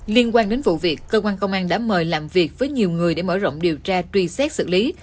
liên quan đến vụ việc cơ quan công an đã mời làm việc với nhiều người để mở rộng điều tra truy xét xử lý